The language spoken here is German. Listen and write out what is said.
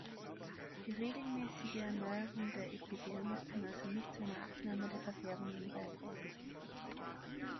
Die regelmäßige Erneuerung der Epidermis kann also nicht zu einer Abnahme der Verfärbungen beitragen.